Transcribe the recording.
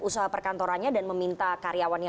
usaha perkantorannya dan meminta karyawannya